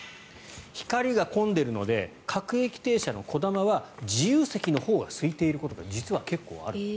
ひかりが混んでいるので各駅停車のこだまは自由席のほうがすいていることが実は結構ある。